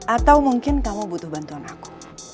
atau mungkin kamu butuh bantuan aku